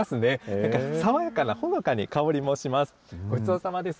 なんか、爽やかなほのかな香りもします。